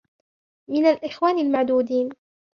مِنْ الْإِخْوَانِ الْمَعْدُودِينَ